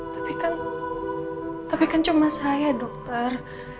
tapi kan tapi kan cuma saya dokter